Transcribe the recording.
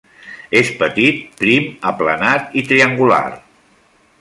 És petit, prim, aplanat i triangular.